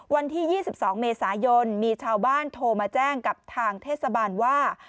วันที่๒๒เมษายนมีชาวบ้านโทรมาแจ้งกับทางเทศบาลว่า